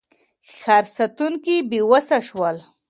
ښار ساتونکي بېوسه شول.